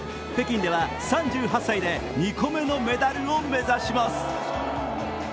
北京では３８歳で２個目のメダルを目指します。